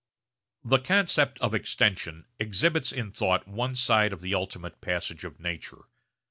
The concept of extension exhibits in thought one side of the ultimate passage of nature.